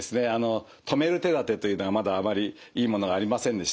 止める手だてというのがまだあまりいいものがありませんでしたから。